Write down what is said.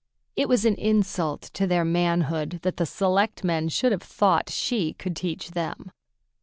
It was an insult to their manhood that the selectmen should have thought she could teach them.